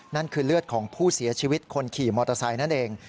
นั่นคือเลือดของผู้เสียชีวิตคนขี่มอเตอร์ไซค์นั่นเอง